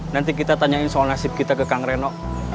nanti kita tanyain soal nasib kita ke kang reno